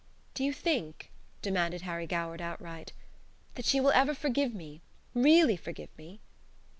"Do you think," demanded Harry Goward, outright, "that she will ever forgive me, REALLY forgive me?"